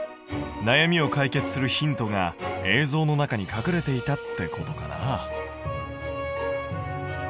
なやみを解決するヒントが映像の中に隠れていたってことかな？